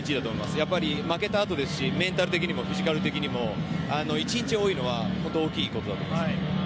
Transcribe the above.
やっぱり負けたあとですしメンタル的にもフィジカル的にも１日多いのは本当に大きいことだと思います。